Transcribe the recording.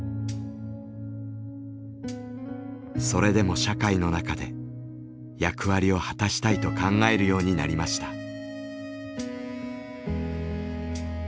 それでも社会の中で役割を果たしたいと考えるようになりました。